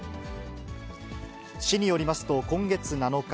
市によりますと、今月７日、